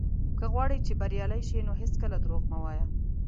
که غواړې چې بريالی شې، نو هېڅکله دروغ مه وايه.